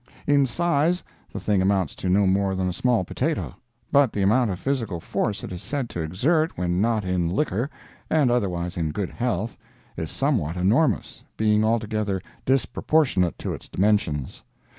In size, the thing amounts to no more than a small potato, but the amount of physical force it is said to exert when not in liquor, and otherwise in good health, is somewhat enormous, being altogether disproportionate to its dimensions.